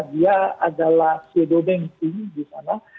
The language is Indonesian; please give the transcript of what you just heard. dia adalah shadow banking di sana